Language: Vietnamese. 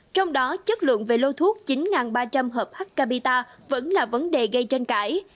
trong đó chất lượng về lô thuốc chín ba trăm linh hợp h capita vẫn là vấn đề gây tranh cãi